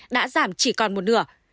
đã giảm chỉ còn một nửa